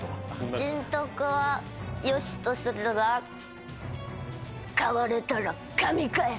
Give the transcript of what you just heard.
人徳は良しとするが飼われたらかみ返す。